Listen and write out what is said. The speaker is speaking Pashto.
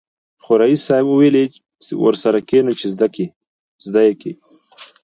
خو ريس صيب ويلې ورسره کېنه چې زده يې کې.